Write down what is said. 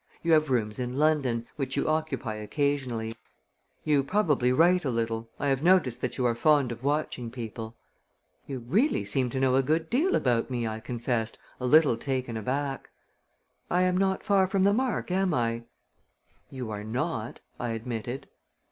You have rooms in London, which you occupy occasionally. You probably write a little I have noticed that you are fond of watching people." "You really seem to know a good deal about me," I confessed, a little taken aback. "I am not far from the mark, am I?" "You are not," I admitted.